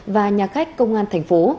và nhà khách công an thành phố